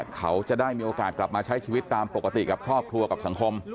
เขาจะได้มีโอกาสกลับมาใช้ชีวิตตามปกติกับครอบครัวกับสังคม